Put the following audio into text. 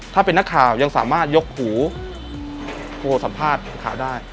ถ้าเป็นนักข่าวยังสามารถยกหูโทรสัมภาษณ์ข่าวได้